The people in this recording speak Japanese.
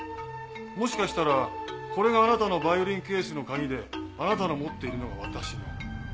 もしかしたらこれがあなたのバイオリンケースの鍵であなたの持っているのが私の。